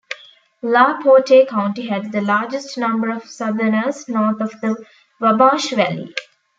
LaPorte County had the largest number of Southerners north of the Wabash Valley.